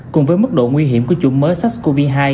cùng với mức độ nguy hiểm của chủ mớ sars cov hai